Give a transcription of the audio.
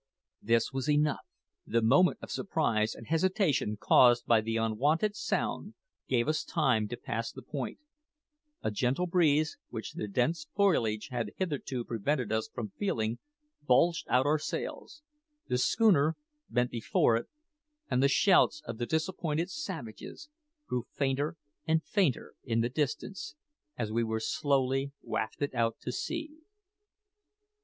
This was enough. The moment of surprise and hesitation caused by the unwonted sound gave us time to pass the point; a gentle breeze, which the dense foliage had hitherto prevented us from feeling, bulged out our sails; the schooner bent before it, and the shouts of the disappointed savages grew fainter and fainter in the distance as we were slowly wafted out to sea.